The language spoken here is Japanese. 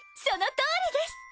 そのとおりです！